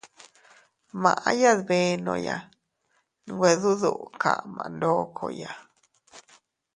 Maʼya dbenoya, nwe dudu kama ndokoya.